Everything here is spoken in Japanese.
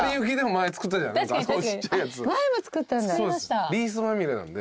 前も作ったんだ。